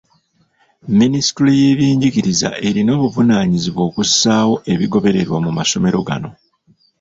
Minisitule y’ebyenjigiriza erina obuvunaanyizibwa okussaawo ebigobererwa mu masomero gano.